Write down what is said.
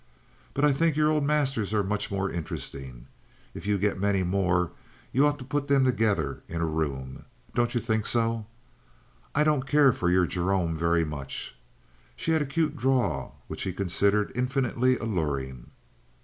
"But I think your old masters are much more interesting. If you get many more you ought to put them together in a room. Don't you think so? I don't care for your Gerome very much." She had a cute drawl which he considered infinitely alluring.